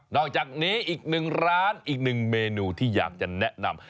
อกจากนี้อีกหนึ่งร้านอีกหนึ่งเมนูที่อยากจะแนะนำ